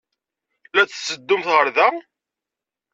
La d-tetteddumt ɣer da?